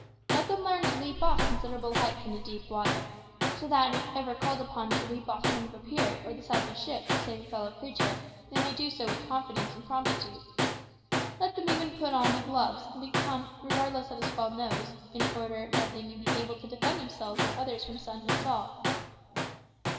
Let them learn to leap off considerable heights into deep water, so that, if ever called on to leap off the end of a pier or the side of a ship to save a fellow creature, they may do so with confidence and promptitude. Let them even put on "the gloves," and become regardless of a swelled nose, in order that they may be able to defend themselves or others from sudden assault.